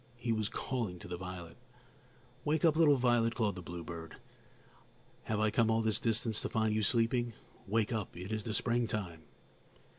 He was calling to the violet. "Wake up, little violet," called the bluebird. "Have I come all this distance to find you sleeping? Wake up; it is the springtime!"